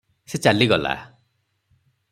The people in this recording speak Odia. ସେ ଚାଲିଗଲା ।